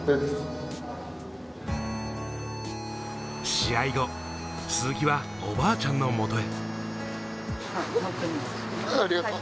試合後、鈴木はおばあちゃんのもとへ。